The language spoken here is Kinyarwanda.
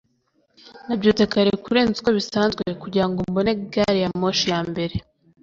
nabyutse kare kurenza uko bisanzwe kugirango mbone gari ya moshi ya mbere